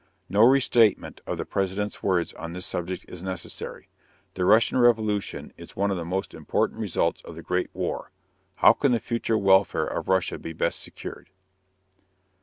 _ No restatement of the President's words on this subject is necessary. The Russian revolution is one of the most important results of the Great War. How can the future welfare of Russia be best secured?